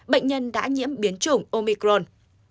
bệnh nhân đã nhiễm biến chủng omicron